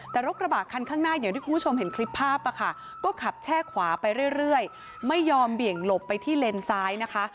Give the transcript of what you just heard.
แต่รถกระบะคันข้างหน้าอย่างที่คุณผู้ชมเห็นคลิปภาพก็ขับแช่ขวาไปเรื่อยไม่ยอมเบี่ยงหลบไปที่เลนซ้ายนะคะ